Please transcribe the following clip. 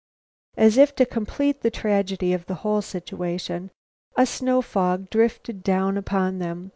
As if to complete the tragedy of the whole situation, a snow fog drifted down upon them.